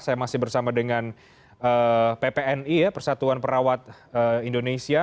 saya masih bersama dengan ppni ya persatuan perawat indonesia